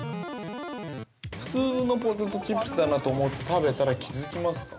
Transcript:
◆普通のポテトチップスだなと思って食べたら、気づきますか。